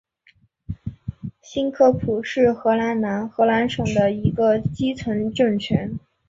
新科普是荷兰南荷兰省的一个基层政权。